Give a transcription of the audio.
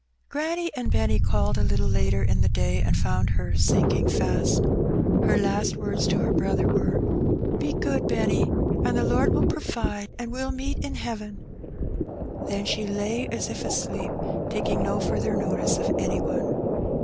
Granny and Benny called a little later in the day, and found her sinking fast. Her last words to her brother were : ''Be good, Benny, an' the Lord will provide, an* we'll meet in heaven." Then she lay as if asleep, taking no further notice of any one.